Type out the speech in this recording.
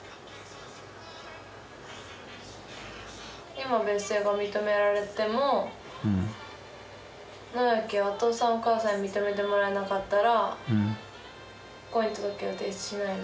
今別姓が認められても敬明はお父さんお母さんに認めてもらえなかったら婚姻届を提出しないの？